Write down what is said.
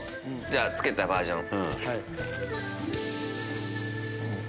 じゃあつけたバージョン。